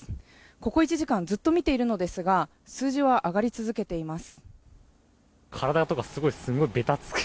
ここ１時間ずっと見ているのですが数字は上がり続けています。